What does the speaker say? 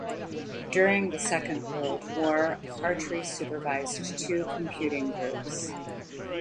During the Second World War Hartree supervised two computing groups.